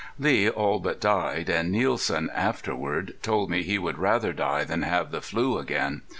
Lee all but died, and Nielsen, afterward, told me he would rather die than have the "flu" again.